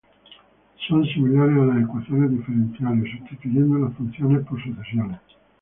Son similares a las ecuaciones diferenciales, sustituyendo las funciones por sucesiones.